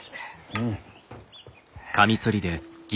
うん。